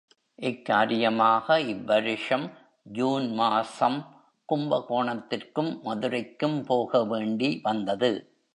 இக் காரியமாக இவ்வருஷம் ஜூன் மாசம் கும்பகோணத்திற்கும் மதுரைக்கும் போக வேண்டி வந்தது.